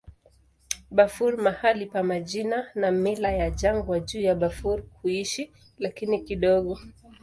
Bafur mahali pa majina na mila ya jangwa juu ya Bafur kuishi, lakini kidogo.